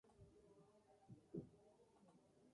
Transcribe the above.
Eco recibió educación salesiana.